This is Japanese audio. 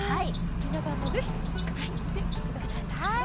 みなさんもぜひつくってみてくださいケロ。